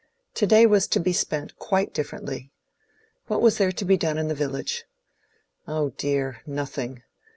To day was to be spent quite differently. What was there to be done in the village? Oh dear! nothing.